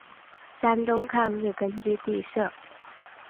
山东抗日根据地设。